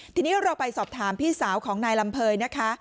ทีนี้เราไปสอบถามพี่สาวของนายลำเภยนะคะ